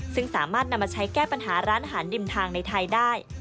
ซึ่งสามารถนำมาใช้แก้ปัญหาร้านอาหารริมทางในไทยได้